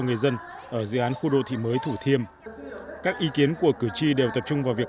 người dân ở dự án khu đô thị mới thủ thiêm các ý kiến của cử tri đều tập trung vào việc